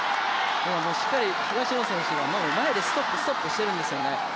しっかり東野選手が前でストップしているんですよね。